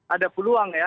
ada peluang ya